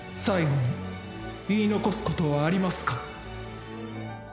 最期に言い残すことはありますか。